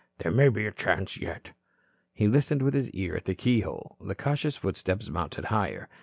"There may be a chance yet." He listened with his ear at the keyhole. The cautious footsteps mounted higher.